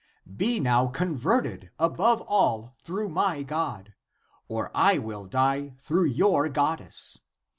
Be now con verted above all through my God — or I will die through your goddess.